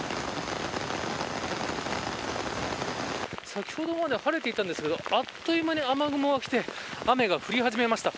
先ほどまでは晴れていたんですけどあっという間に雨雲がきて雨が降り始めました。